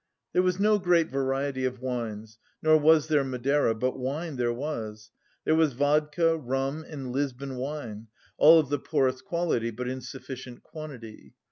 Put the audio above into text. There was no great variety of wines, nor was there Madeira; but wine there was. There was vodka, rum and Lisbon wine, all of the poorest quality but in sufficient quantity.